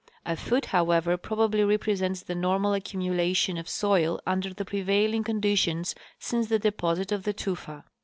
A foot, however, probably represents the normal accumulation of soil under the prevailing conditions since the deposit of the tufa.